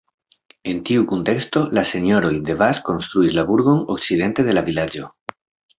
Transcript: En tiu kunteksto la Senjoroj de Vaz konstruis la burgon okcidente de la vilaĝo.